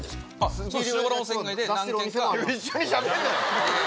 一緒にしゃべるな！